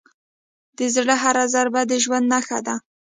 د زړه هره ضربه د ژوند نښه ده.